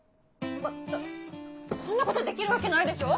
ばっそそんなことできるわけないでしょ